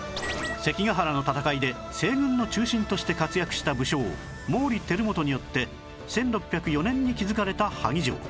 関ヶ原の戦いで西軍の中心として活躍した武将毛利輝元によって１６０４年に築かれた萩城